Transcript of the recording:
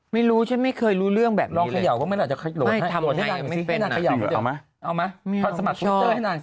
ไม่รู้ฉันไม่เคยรู้เรื่องแบบนี้เลยไม่ทำไงไม่เป็นน่ะเอามาสมัครทวิตเตอร์ให้นานสิ